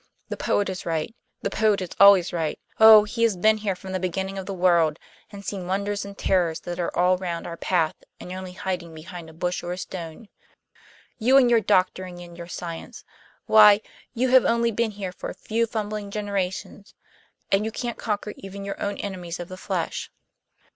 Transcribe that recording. The poet is right. The poet is always right. Oh, he has been here from the beginning of the world, and seen wonders and terrors that are all round our path, and only hiding behind a bush or a stone. You and your doctoring and your science why, you have only been here for a few fumbling generations; and you can't conquer even your own enemies of the flesh.